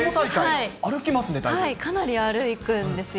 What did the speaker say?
かなり歩くんですよ。